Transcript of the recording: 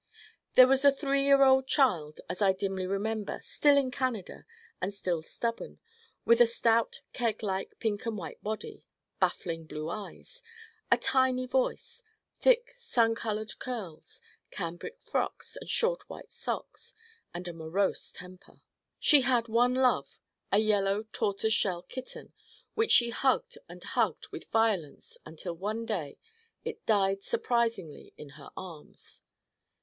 There was a three year old child, as I dimly remember, still in Canada and still stubborn, with a stout keg like pink and white body, baffling blue eyes, a tiny voice, thick sun colored curls, cambric frocks and short white socks and a morose temper. She had one love, a yellow tortoise shell kitten which she hugged and hugged with violence until one day it died surprisingly in her arms.